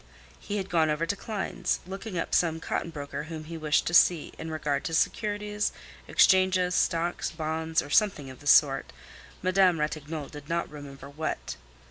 He had gone over to Klein's, looking up some cotton broker whom he wished to see in regard to securities, exchanges, stocks, bonds, or something of the sort, Madame Ratignolle did not remember what.